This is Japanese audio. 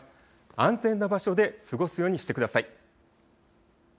安全な場所で過ごすようにしてください。